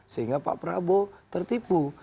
sehingga pak prabowo tertipu